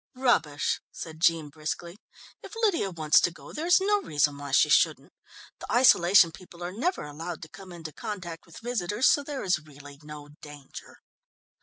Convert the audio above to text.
"Rubbish!" said Jean briskly. "If Lydia wants to go, there is no reason why she shouldn't. The isolation people are never allowed to come into contact with visitors, so there is really no danger."